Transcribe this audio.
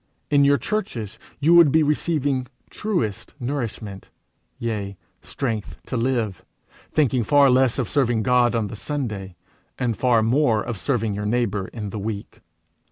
In your churches you would be receiving truest nourishment, yea strength to live thinking far less of serving God on the Sunday, and far more of serving your neighbour in the week.